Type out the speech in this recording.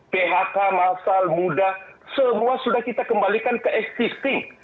phk masal muda semua sudah kita kembalikan ke existing